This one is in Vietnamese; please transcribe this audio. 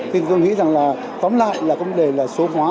thì tôi nghĩ rằng là tóm lại là vấn đề là số hóa